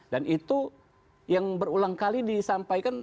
dan itu yang berulang kali disampaikan